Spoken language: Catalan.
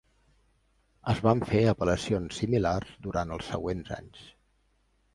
Es van fer apel·lacions similars durant els següents anys.